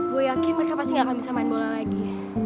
gue yakin mereka pasti gak akan bisa main bola lagi